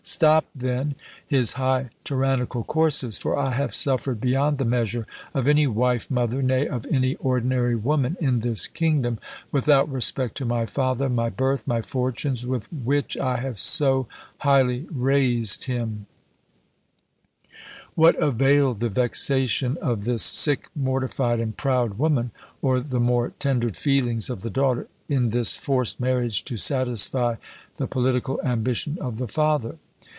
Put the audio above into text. Stop, then, his high tyrannical courses; for I have suffered beyond the measure of any wife, mother, nay, of any ordinary woman in this kingdom, without respect to my father, my birth, my fortunes, with which I have so highly raised him." What availed the vexation of this sick, mortified, and proud woman, or the more tender feelings of the daughter, in this forced marriage to satisfy the political ambition of the father?